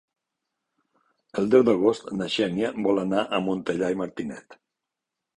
El deu d'agost na Xènia vol anar a Montellà i Martinet.